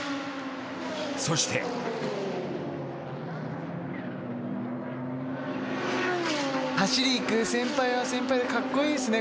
そして走りいく先輩は先輩でかっこいいっすね